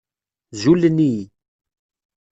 Zulen-iyi.